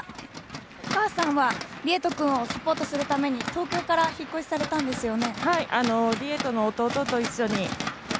お母さんは、利江人君をサポートするために東京から引っ越しされたんですよね。